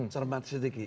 coba bantu sedikit